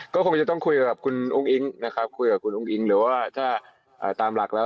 ก็คงจะต้องคุยกับคุณอุ้งอิงหรือว่าถ้าตามหลักแล้ว